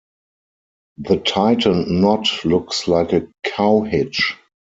The tightened knot looks like a cow hitch.